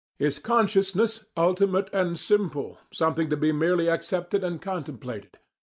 Is "consciousness" ultimate and simple, something to be merely accepted and contemplated?